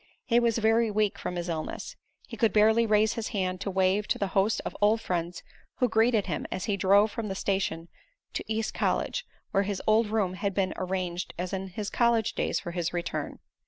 He was very weak from his illness. He could barely raise his hand to wave to the host of old friends who greeted him as he drove from the station to East College, where his old room had been arranged as in his college days for his return.